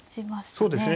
そうですね。